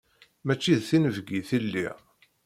Mačči d tinebgit i lliɣ.